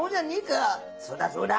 「そうだそうだ」。